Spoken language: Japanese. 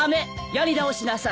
やり直しなさい。